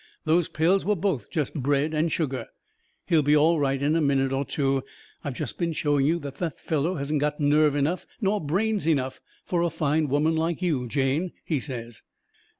Those pills were both just bread and sugar. He'll be all right in a minute or two. I've just been showing you that the fellow hasn't got nerve enough nor brains enough for a fine woman like you, Jane," he says.